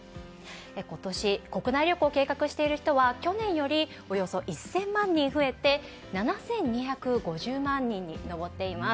今年、国内旅行を計画している人は去年よりおよそ１０００万人増えて７２５０万人に上っています。